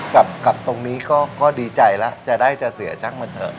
กลับตรงนี้ก็ดีใจแล้วจะได้จะเสียชั้นมาเถอะ